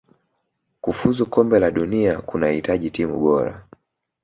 kufuzu kombe la dunia kunahitaji timu bora